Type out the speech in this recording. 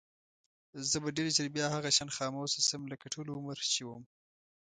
زه به ډېر ژر بیا هغه شان خاموشه شم لکه ټول عمر چې وم.